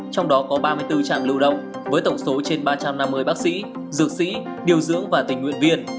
trong đó có ba mươi bốn trạm lưu động với tổng số trên ba trăm năm mươi bác sĩ dược sĩ điều dưỡng và tình nguyện viên